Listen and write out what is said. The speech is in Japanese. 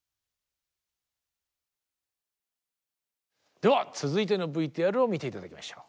では続いてのＶＴＲを見て頂きましょう。